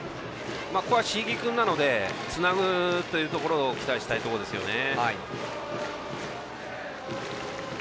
ここは椎木君なのでつなぐというところを期待したいところですけどね。